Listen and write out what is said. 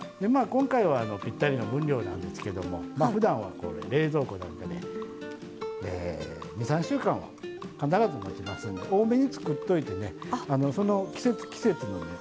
今回はぴったりの分量なんですけどもまあふだんはこう冷蔵庫なんかで２３週間は必ずもちますんで多めに作っといてねその季節季節のね